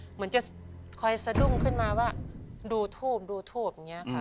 เหมือนจะคอยสะดุ้งขึ้นมาว่าดูทูบดูทูบอย่างนี้ค่ะ